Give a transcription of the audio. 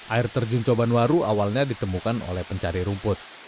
air terjun cobanwaru awalnya ditemukan oleh pencari rumput